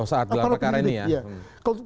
saat berlaku hal ini ya